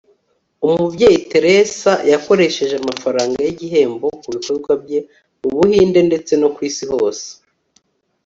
umubyeyi teresa yakoresheje amafaranga yigihembo kubikorwa bye mubuhinde ndetse no kwisi yose